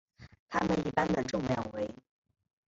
它们一般的重量为。